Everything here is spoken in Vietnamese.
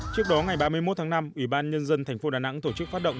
trước đó ngày ba mươi một tháng năm ủy ban nhân dân thành phố đà nẵng tổ chức phát động